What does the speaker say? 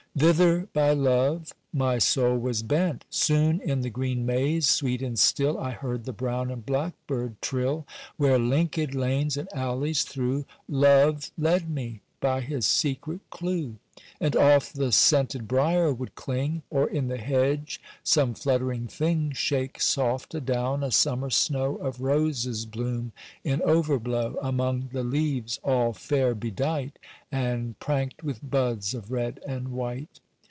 Thither by Love my soul was bent: Soon in the green maze sweet and still, I heard the brown and blackbird trill, Where, linkèd lanes and alleys through, Love led me by his secret clue; And oft the scented briar would cling, Or in the hedge some fluttering thing Shake soft adown a summer snow Of roses bloom in overblow, Among the leaves all fair bedight And prankt with buds of red and white.